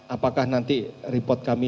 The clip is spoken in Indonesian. apakah nanti report kami